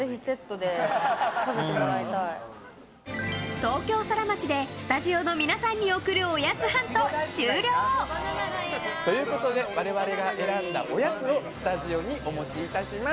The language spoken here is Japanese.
東京ソラマチでスタジオの皆さんに贈るおやつハント終了！ということで我々が選んだおやつをスタジオにお持ちいたします。